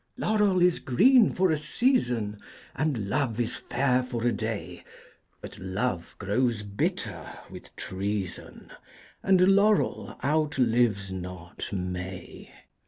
Laurel is green for a season, and Love is fair for a day, But Love grows bitter with treason, and laurel out lives not May.